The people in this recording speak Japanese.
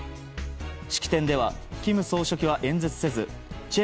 式典では金総書記は演説せずチェ